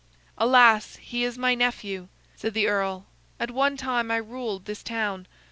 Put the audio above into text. "Alas! he is my nephew," said the earl. "At one time I ruled this town.